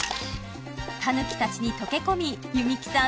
タヌキたちに溶け込み弓木さん